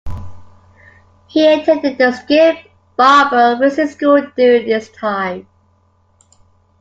He attended the Skip Barber Racing School during this time.